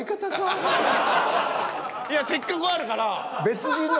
いやせっかくあるから。